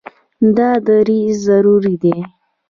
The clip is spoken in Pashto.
دا دریځ ضروري دی.